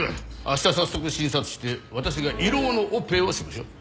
明日早速診察して私が胃ろうのオペをしましょう。